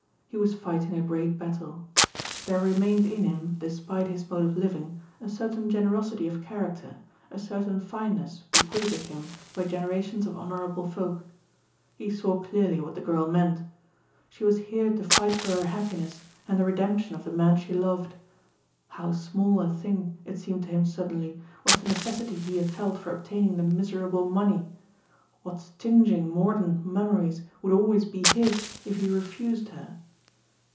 He was fighting a great battle. There remained in him, despite his mode of living, a certain generosity of character, a certain fineness bequeathed him by generations of honorable folk. He saw clearly what the girl meant. She was here to fight for her happiness and the redemption of the man she loved. How small a thing, it seemed to him suddenly, was the necessity he had felt for obtaining the miserable money. What stinging mordant memories would always be his if he refused her!